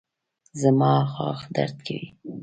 زما غاښ درد کوي